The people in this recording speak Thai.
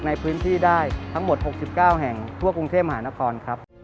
ในพื้นที่ได้ทั้งหมด๖๙แห่งทั่วกรุงเทพมหานครครับ